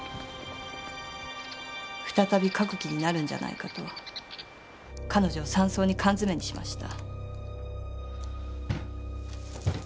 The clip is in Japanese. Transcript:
再び書く気になるんじゃないかと彼女を山荘に缶詰めにしました。